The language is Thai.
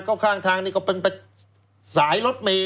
ก็ข้างทางนี่ก็เป็นสายรถเมย